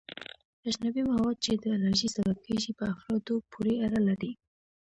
اجنبي مواد چې د الرژي سبب کیږي په افرادو پورې اړه لري.